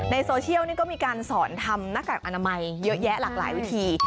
โซเชียลนี่ก็มีการสอนทำหน้ากากอนามัยเยอะแยะหลากหลายวิธี